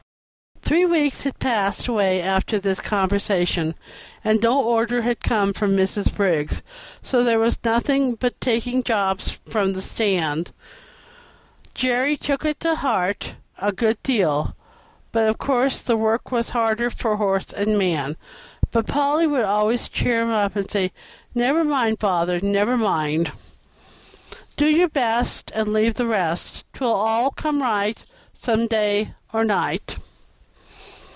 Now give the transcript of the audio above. Three weeks had passed away after this conversation, and no order had come from Mrs. Briggs; so there was nothing but taking jobs from the stand. Jerry took it to heart a good deal, for of course the work was harder for horse and man. But Polly would always cheer him up, and say, "Never mind, father, never, mind. "'Do your best, And leave the rest, 'Twill all come right Some day or night.'"